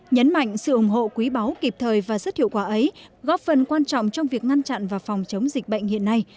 nhấn mạnh sự ủng hộ quý báu kịp thời và rất hiệu quả ấy góp phần quan trọng trong việc ngăn chặn và phòng chống dịch bệnh hiện nay